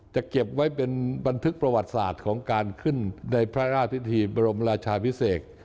จะเก็บไว้เป็นบันทึกประวัติศาสตร์ของการขึ้นในพระราชพิธีบรมราชาพิเศษ